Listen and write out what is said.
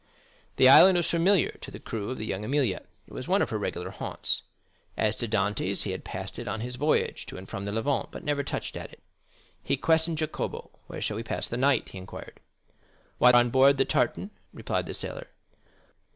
The island was familiar to the crew of La Jeune Amélie,—it was one of her regular haunts. As to Dantès, he had passed it on his voyage to and from the Levant, but never touched at it. He questioned Jacopo. "Where shall we pass the night?" he inquired. "Why, on board the tartan," replied the sailor.